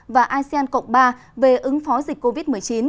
và asean cộng ba về ứng phó dịch covid một mươi chín